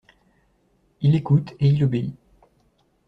Il écoute et il obéit.